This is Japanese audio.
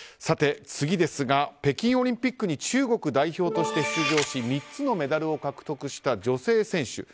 次ですが、北京オリンピックに中国代表として出場し３つのメダルを獲得した女性選手。